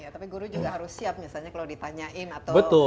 tapi guru juga harus siap misalnya kalau ditanyain atau